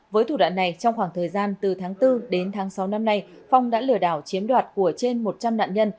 với thủ đoạn này trong khoảng thời gian từ tháng bốn đến tháng sáu năm nay phong đã lừa đảo chiếm đoạt của trên một trăm linh nạn nhân